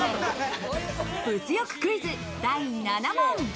物欲クイズ第７問。